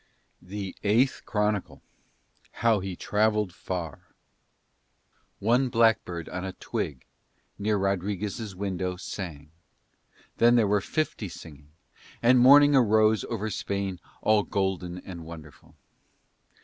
THE EIGHTH CHRONICLE HOW HE TRAVELLED FAR One blackbird on a twig near Rodriguez' window sang, then there were fifty singing, and morning arose over Spain all golden and wonderful.